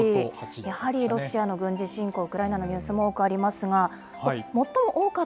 やはりロシアの軍事侵攻、ウクライナのニュースも多くありますが。